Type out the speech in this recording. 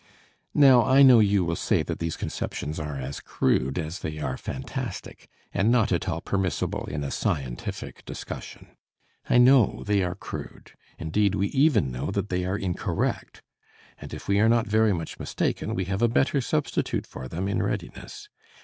Now I know you will say that these conceptions are as crude as they are fantastic, and not at all permissible in a scientific discussion. I know they are crude indeed, we even know that they are incorrect, and if we are not very much mistaken we have a better substitute for them in readiness.